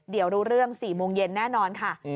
เดี๋ยวรู้เรื่อง๔โมงเย็นแน่นอนค่ะ